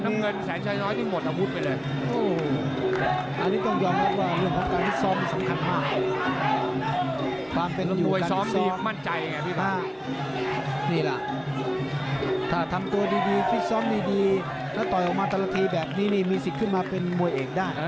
หมดอาวุธไปเลยถ้าทำตัวดีฟิตซ้อมดีแล้วต่อยออกมาแต่ละทีแบบนี้นี่มีสิทธิ์ขึ้นมาเป็นมวยเอกได้นะ